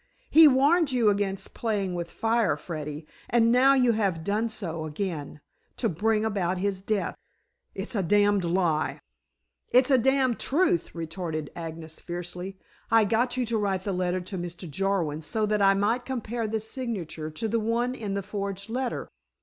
He warned you against playing with fire, Freddy, and now you have done so again, to bring about his death." "It's a damned lie." "It's a damned truth," retorted Agnes fiercely. "I got you to write the letter to Mr. Jarwin so that I might compare the signature to the one in the forged letter.